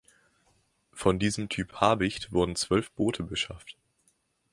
Von diesem Typ "Habicht" wurden zwölf Boote beschafft.